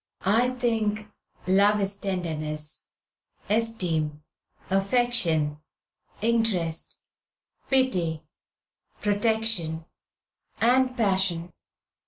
"I think love is tenderness, esteem, affection, interest, pity, protection, and passion.